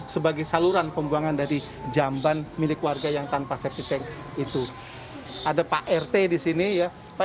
sebagai saluran pembuangan dari jamban milik warga yang tanpa septic tank itu ada pak rt di sini ya pak